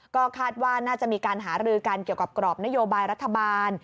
ก็คาดว่าน่าจะมีการหารือกันเกี่ยวกับกรอบนโยบายรัฐบาล